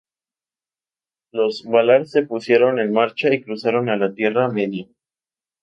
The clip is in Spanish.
Los Valar se pusieron en marcha y cruzaron a la Tierra Media.